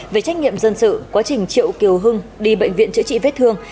về trách nhiệm dân sự quá trình triệu kiều hưng đi bệnh viện chữa trị vết thương